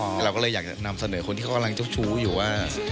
เราก็เลยอยากจะนำเสนอคนที่เขากำลังเจ้าชู้อยู่ว่า